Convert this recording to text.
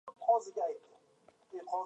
O'z yurtingning qadri, o'zga yurtda bilinar.